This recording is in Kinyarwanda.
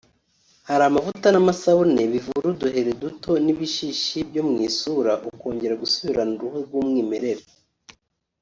Hari amavuta n’amasabune bivura uduheri duto n’ibishishi byo mu isura ukongera gusubirana uruhu rw’umwimerere